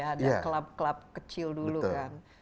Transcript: ada club club kecil dulu kan